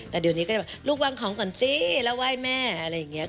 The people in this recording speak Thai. แต่เดี๋ยวนี้ก็จะบอกลูกวางของก่อนสิแล้วไหว้แม่อะไรอย่างนี้